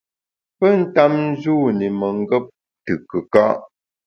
Pe ntap njûn i mengap te kùka’.